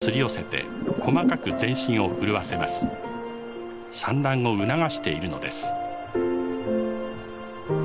産卵を促しているのです。